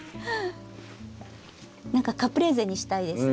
何かカプレーゼにしたいですね。